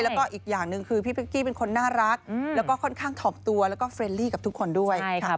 แล้วก็อีกอย่างหนึ่งคือพี่เป๊กกี้เป็นคนน่ารักแล้วก็ค่อนข้างถ่อมตัวแล้วก็เฟรนลี่กับทุกคนด้วย